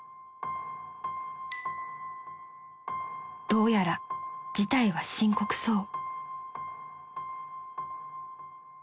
［どうやら事態は深刻そう］